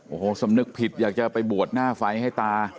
โอ้โหสำนึกผิดอยากจะไปบวชหน้าไฟให้ตา